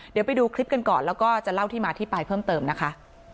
เดี๋ยวไปดูคลิปกันก่อนแล้วก็จะเล่าที่มาที่ไปเพิ่มเติมนะคะ